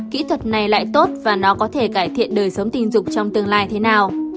kỹ thuật này lại tốt và nó có thể cải thiện đời sống tình dục trong tương lai thế nào